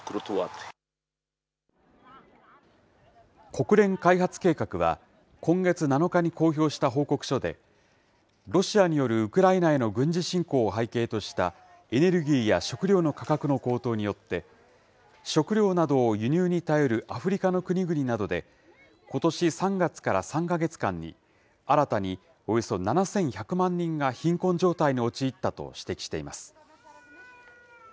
国連開発計画は、今月７日に公表した報告書で、ロシアによるウクライナへの軍事侵攻を背景としたエネルギーや食料の価格の高騰によって、食料などを輸入に頼るアフリカの国々などで、ことし３月から３か月間に、新たにおよそ７１００万人が貧困状態に陥ったと指摘しています。